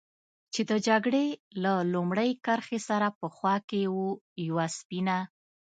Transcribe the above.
چې د جګړې له لومړۍ کرښې سره په خوا کې و، یوه سپینه.